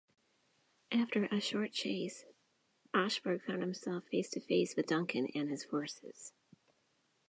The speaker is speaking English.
After a short chase Ascheberg found himself face-to-face with Duncan and his forces.